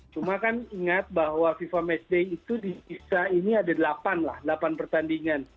cuma kan ingat bahwa fifa matchday itu di sisa ini ada delapan lah delapan pertandingan